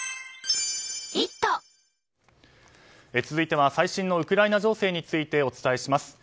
続いては最新のウクライナ情勢についてお伝えします。